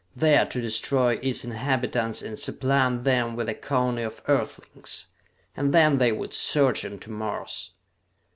there to destroy its inhabitants and supplant them with a colony of Earthlings! And then they would surge on to Mars!